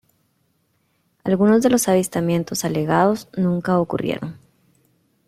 Algunos de los avistamientos alegados nunca ocurrieron.